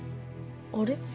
あれ。